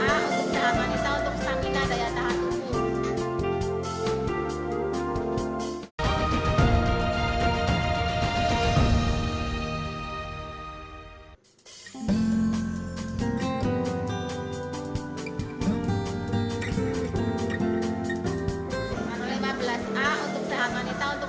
lima belas a untuk selamat kita untuk stamina daya tahan umum